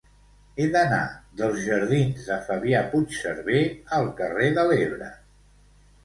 He d'anar dels jardins de Fabià Puigserver al carrer de l'Ebre.